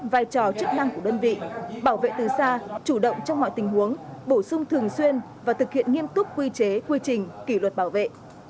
vai trò chức năng của đơn vị bảo vệ từ xa chủ động trong mọi tình huống bổ sung thường xuyên và thực hiện nghiêm túc quy chế quy trình kỷ luật bảo vệ